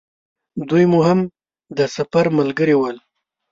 دوی مو هم د سفر ملګري ول.